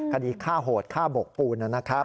คดีฆ่าโหดฆ่าบกปูนนะครับ